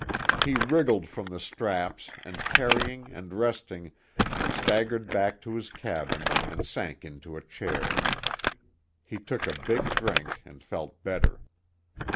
He wriggled from the straps and carrying, and resting, staggered back to his cabin and sank into a chair. He took a big drink and felt better.